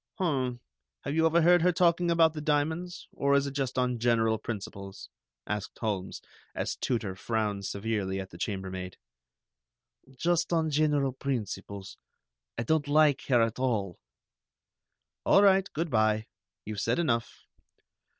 "Hum, have you overheard her talking about the diamonds, or is it just on general principles?" asked Holmes, as Tooter frowned severely at the chambermaid. "Just on general principles. I don't like her at all." "All right. Good by. You've said enough.